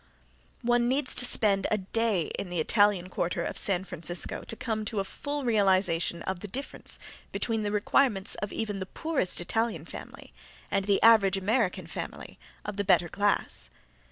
One needs to spend a day in the Italian quarter of San Francisco to come to a full realization of the difference between the requirements of even the poorest Italian family and the average American family of the better class.